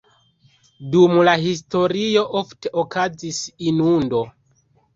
Dum la historio ofte okazis inundo.